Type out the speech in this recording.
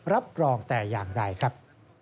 รับรองแต่อย่างใดครับ